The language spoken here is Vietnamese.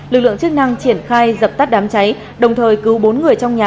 lực lượng chức năng triển khai dập tắt đám cháy đồng thời cứu bốn người trong nhà